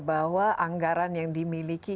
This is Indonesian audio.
bahwa anggaran yang dimiliki